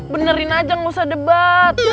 benerin aja gak usah debat